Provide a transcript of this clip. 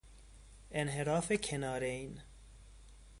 انحراف کنارین